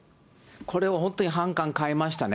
これは本当に反感買いましたね。